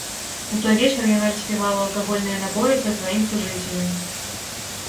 У той вечар яна распівала алкагольныя напоі са сваім сужыцелем.